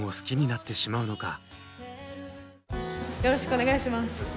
よろしくお願いします。